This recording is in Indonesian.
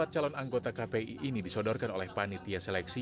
empat calon anggota kpi ini disodorkan oleh panitia seleksi